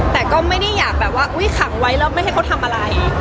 แต่ก็ไม่ได้อยากแบบว่าอุ๊ยขังไว้แล้วไม่ให้เขาทำอะไร